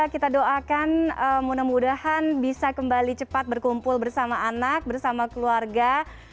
kita doakan mudah mudahan bisa kembali cepat berkumpul bersama anak bersama keluarga